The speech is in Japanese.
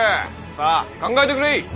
さぁ考えてくれ。